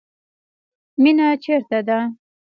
مینه چیرته ده؟